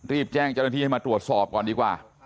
รีบแจ้งเจ้าหน้าที่ให้มาตรวจสอบก่อนดีกว่า